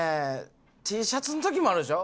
Ｔシャツの時もあるでしょ